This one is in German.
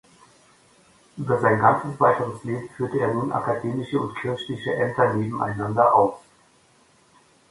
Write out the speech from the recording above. Über sein ganzes weiteres Leben führte er nun akademische und kirchliche Ämter nebeneinander aus.